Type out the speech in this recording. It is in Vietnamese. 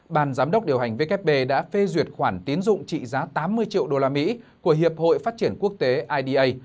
bàn giám đốc điều hành wb đã phê duyệt khoản tiến dụng trị giá tám mươi triệu usd của hiệp hội phát triển quốc tế ida